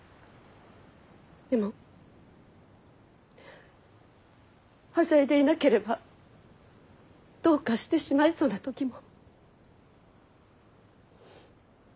でもはしゃいでいなければどうかしてしまいそうな時も。